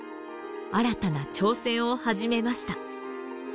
新たな挑戦を始めました。